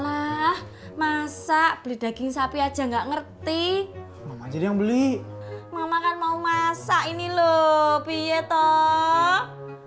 hah masa beli daging sapi aja nggak ngerti jadi yang beli makan mau masak ini loh pietok